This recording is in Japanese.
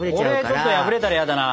これちょっと破れたら嫌だな。